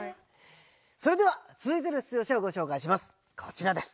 それでは続いての出場者をご紹介します。